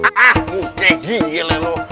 ah ah muka gini lho